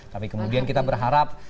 tapi kemudian kita berharap